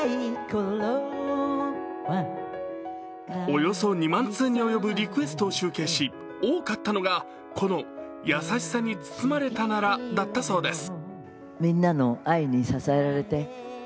およそ２万通に及ぶリクエストを集計し多かったのがこの「やさしさに包まれたなら」だったそうです。